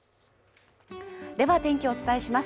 では天気をお伝えします。